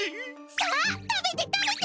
さあ食べて食べて！